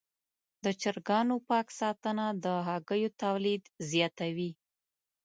د چرګانو پاک ساتنه د هګیو تولید زیاتوي.